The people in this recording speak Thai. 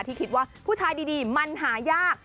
ที่คิดว่าผู้ชายดีมันหายาก